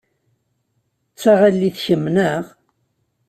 D taɣallit kemm, neɣ?